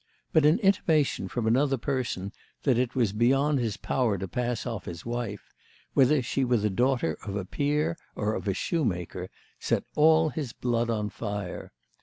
But an intimation from another person that it was beyond his power to pass off his wife—whether she were the daughter of a peer or of a shoemaker—set all his blood on fire.